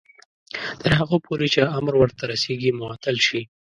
تر هغو پورې چې امر ورته رسیږي معطل شي.